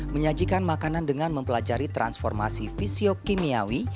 menyajikan makanan dengan mempelajari transformasi fisio kimiawi